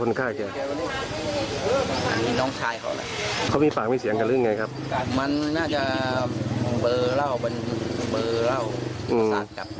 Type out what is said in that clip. น่าจะแนะนำมาก่อนถ้าต้องกินเหล้าเยอะก็จากกับไม่รู้เรื่อง